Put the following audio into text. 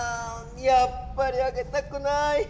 やっぱりあげたくない！